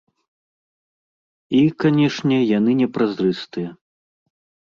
І, канечне, яны не празрыстыя.